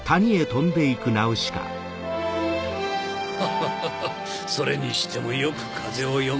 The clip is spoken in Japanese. ハハハそれにしてもよく風を読む。